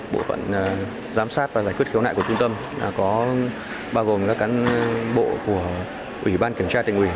bộ phận giám sát và giải quyết khiếu nại của trung tâm bao gồm các cán bộ của ủy ban kiểm tra tỉnh ủy